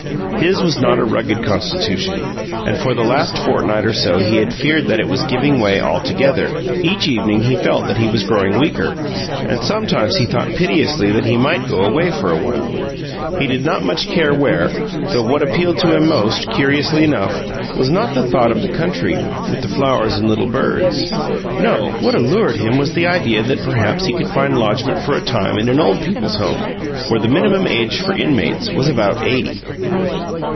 His was not a rugged constitution, and for the last fortnight or so he had feared that it was giving way altogether. Each evening he felt that he was growing weaker, and sometimes he thought piteously that he might go away for a while. He did not much care where, though what appealed to him most, curiously enough, was not the thought of the country, with the flowers and little birds; no, what allured him was the idea that perhaps he could find lodgment for a time in an Old People's Home, where the minimum age for inmates was about eighty.